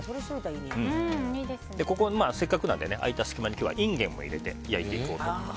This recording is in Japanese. せっかくなので、空いた隙間にインゲンも入れて焼いていこうと思います。